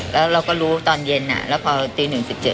แล้วเราก็รู้ตอนเย็นอ่ะแล้วพอตีหนึ่งสิบเจ็ด